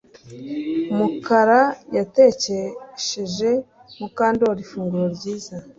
Mukara yatekesheje Mukandoli ifunguro ryiza